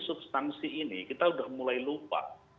substansi ini kita sudah mulai lupa